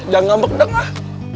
jangan ngambek ngambek lah